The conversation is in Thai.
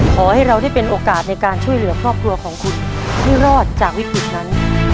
ขอให้เราได้เป็นโอกาสในการช่วยเหลือครอบครัวของคุณให้รอดจากวิกฤตนั้น